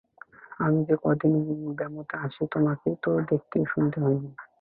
আমি যে-কয়দিন ব্যামোতে আছি তোমাকেই তো সব দেখিতে শুনিতে হইবে।